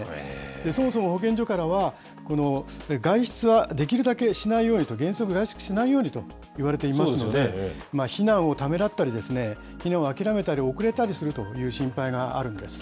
そもそも保健所からは、外出はできるだけしないようにと、原則外出しないようにと言われていますので、避難をためらったりですね、避難を諦めたり、遅れたりするという心配があるんです。